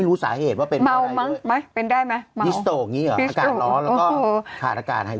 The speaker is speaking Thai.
อาการร้อนแล้วก็ขาดอาการหายใจ